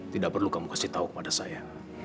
tidak perlu kamu kasih tahu kepada saya